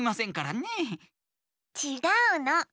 ちがうの。